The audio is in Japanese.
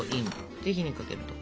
で火にかけると。